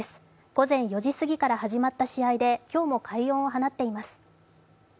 午前４時すぎから始まった試合で今日も快音を放っています。